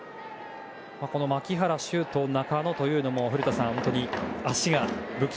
この牧原、周東、中野というのも古田さん、本当に足が武器。